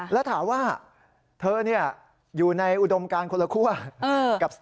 แล้วถามว่าเธออยู่ในอุดมการคนละคั่ว